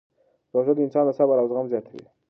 روژه د انسان صبر او زغم زیاتوي.